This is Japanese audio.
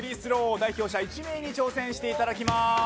代表者１名に挑戦していただきます。